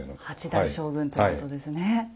八代将軍ということですね。